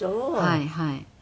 はいはい。